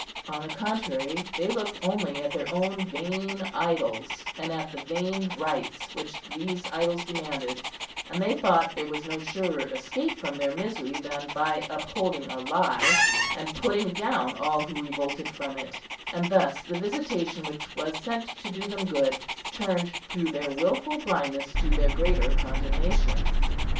On the contrary, they looked only at their own vain idols, and at the vain rites which these idols demanded, and they thought there was no surer escape from their misery than by upholding a lie, and putting down all who revolted from it; and thus the visitation which was sent to do them good turned through their wilful blindness to their greater condemnation.